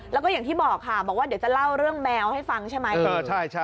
แล้วก็อย่างที่บอกค่ะบอกว่าเดี๋ยวจะเล่าเรื่องแมวให้ฟังใช่ไหม